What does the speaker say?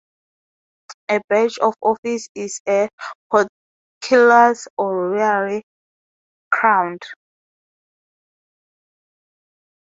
The badge of office is "A Portcullis Or Royally Crowned".